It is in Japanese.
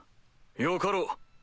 よかろう。